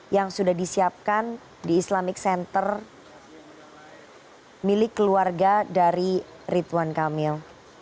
yang sudah disiapkan di islamic center milik keluarga dari ridwan kamil